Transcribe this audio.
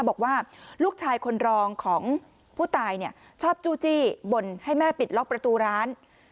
บอกว่าลูกชายคนรองของผู้ตายชอบจู้จี้บ่นให้แม่ปิดล็อกประตูร้าน